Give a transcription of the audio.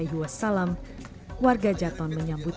ini berapa juta juta juta